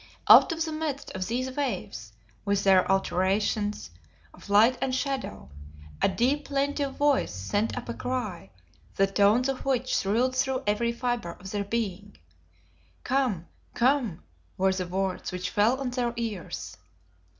Out of the midst of these waves, with their alternations of light and shadow, a deep plaintive voice sent up a cry, the tones of which thrilled through every fiber of their being. "Come! come!" were the words which fell on their ears.